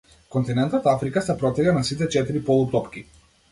Континентот Африка се протега на сите четири полутопки.